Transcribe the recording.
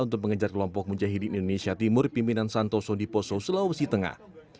untuk mengejar kelompok mujahidin indonesia timur pimpinan santoso di poso sulawesi tengah